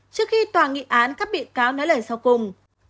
trước khi tòa nghị án các bị cáo nói lời sau cùng